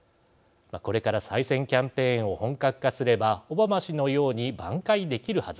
これから再選キャンペーンを本格化すればオバマ氏のように挽回できるはず。